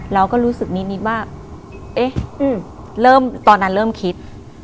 เราก็รู้สึกนิดว่าเอ๊ะเริ่มตอนนั้นเริ่มคิด